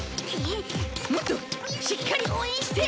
もっとしっかり応援して！